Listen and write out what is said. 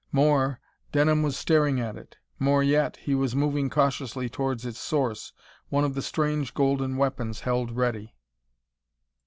More, Denham was staring at it. More yet, he was moving cautiously towards its source, one of the strange golden weapons held ready....